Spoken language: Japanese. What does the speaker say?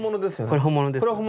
これ本物ですね。